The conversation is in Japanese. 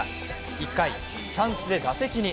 １回チャンスで打席に。